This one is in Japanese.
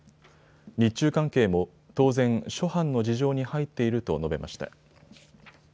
日中関係も当然、諸般の事情に入っていると述べました。